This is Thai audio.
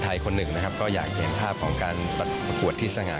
คนหนึ่งนะครับก็อยากจะเห็นภาพของการประกวดที่สง่า